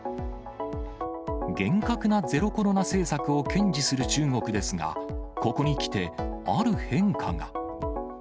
厳格なゼロコロナ政策を堅持する中国ですが、ここにきて、ある変化が。